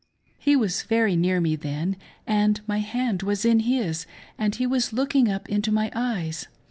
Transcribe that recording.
.,... He was very near me then; and my hand was in his; and he was looking up into my eyes.